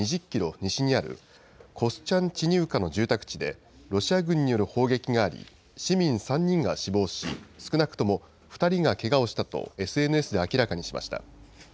西にあるコスチャンチニウカの住宅地で、ロシア軍による砲撃があり、市民３人が死亡し、少なくとも２人がけがをしたと、ＳＮＳで明らかにしました。